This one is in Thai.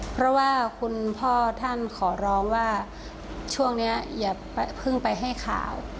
เพราะว่าคุณพ่อท่านขอร้องว่าช่วงนี้อย่าเพิ่งไปให้ข่าว